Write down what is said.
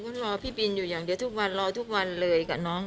เพราะรอพี่บินอยู่อย่างเดียวทุกวันรอทุกวันเลยกับน้อง